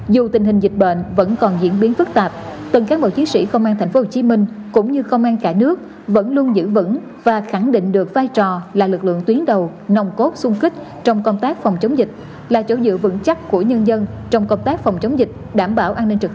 dù tình hình dịch bệnh vẫn còn diễn biến phức tạp từng các bộ chiến sĩ công an thành phố hồ chí minh cũng như công an cả nước vẫn luôn giữ vững và khẳng định được vai trò là lực lượng tuyến đầu nồng cốt sung kích trong công tác phòng chống dịch là chỗ giữ vững chắc của nhân dân trong công tác phòng chống dịch đảm bảo an ninh trực tế